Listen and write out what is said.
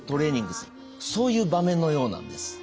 そういう場面のようなんです。